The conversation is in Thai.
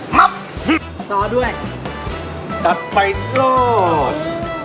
มับต่อด้วยตัดไปรอด